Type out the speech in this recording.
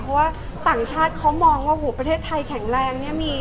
เพราะว่าต่างชาติเขามองว่าประเทศไทยแข็งแรงเนี่ยมี